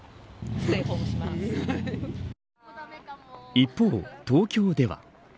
一方、東京では。